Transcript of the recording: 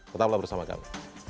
tetaplah bersama kami